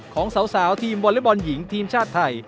ของสาวทีมวอเล็กบอลหญิงทีมชาติไทย